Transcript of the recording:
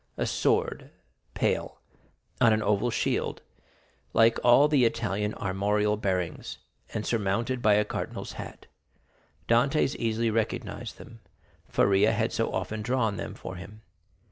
a sword, en pale, on an oval shield, like all the Italian armorial bearings, and surmounted by a cardinal's hat. Dantès easily recognized them, Faria had so often drawn them for him.